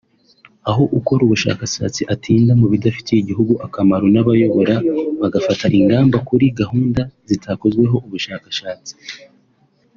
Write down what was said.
aho ukora ubushakashatsi atinda mu bidafitiye igihugu akamaro n’abayobora bagafata ingamba kuri gahunda zitakozweho ubushakashatsi